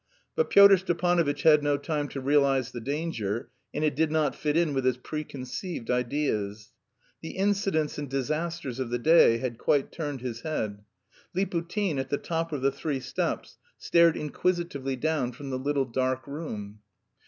But Pyotr Stepanovitch had no time to realise the danger, and it did not fit in with his preconceived ideas. The incidents and disasters of the day had quite turned his head. Liputin, at the top of the three steps, stared inquisitively down from the little dark room.